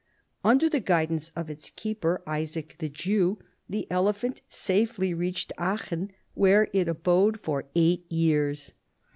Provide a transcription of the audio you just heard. Under the guidance of its keeper, Isaac the Jew, the ele pliant safely reached Aachen, where it abode for 2S4 CHARLEMAGNE. eight years.